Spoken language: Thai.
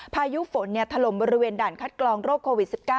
พายุฝนถล่มบริเวณด่านคัดกรองโรคโควิด๑๙